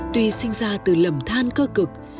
tuy sinh ra từ lầm than cơ cực